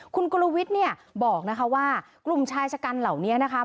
คุณกุลวิทย์บอกว่ากลุมชายชะกันเหล่านี้นะคะ